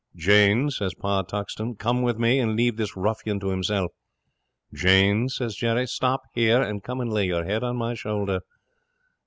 '"Jane," says Pa Tuxton, "come with me, and leave this ruffian to himself." '"Jane," says Jerry, "stop here, and come and lay your head on my shoulder."